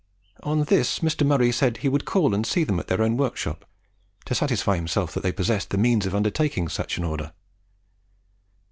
On this, Mr. Murray said he would call and see them at their own workshop, to satisfy himself that they possessed the means of undertaking such an order.